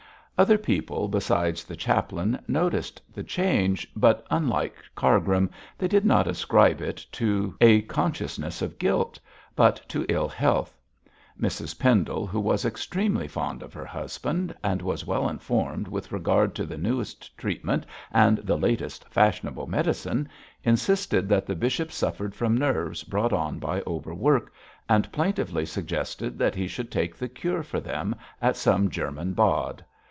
Other people besides the chaplain noticed the change, but, unlike Cargrim, they did not ascribe it to a consciousness of guilt, but to ill health. Mrs Pendle, who was extremely fond of her husband, and was well informed with regard to the newest treatment and the latest fashionable medicine, insisted that the bishop suffered from nerves brought on by overwork, and plaintively suggested that he should take the cure for them at some German Bad.